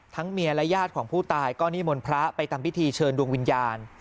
เมียและญาติของผู้ตายก็นิมนต์พระไปทำพิธีเชิญดวงวิญญาณ